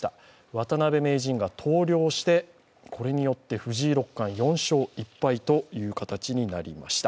渡辺名人が投了してこれによって藤井六冠４勝１敗という形になりました。